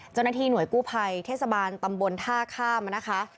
เจ้าหน้าที่หน่วยกู้ภัยเทศบาลตำบลท่าข้ามนะคะ